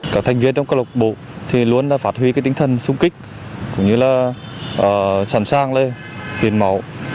các thành viên trong câu lạc bộ luôn phát huy tinh thần súng kích sẵn sàng hiến máu